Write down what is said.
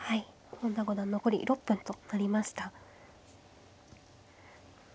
本田五段残り６分となりました。